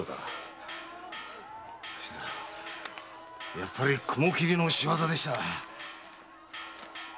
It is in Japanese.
やっぱり雲切の仕業でした。